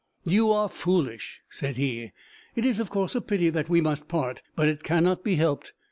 'You are foolish,' said he. 'It is, of course, a pity that we must part, but it cannot be helped.